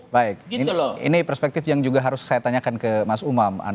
baik ini perspektif yang juga harus saya tanyakan ke mas umam